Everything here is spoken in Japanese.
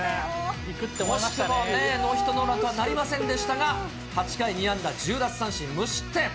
惜しくもノーヒットノーランとはなりませんでしたが、８回２安打１０奪三振無失点。